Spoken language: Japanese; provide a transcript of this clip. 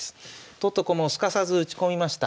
取った駒をすかさず打ち込みました。